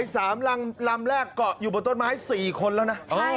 สามลำแรกเกาะอยู่บนต้นไม้๔คนแล้วนะ